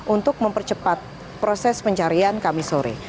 untuk mempercepat proses pencarian kami sore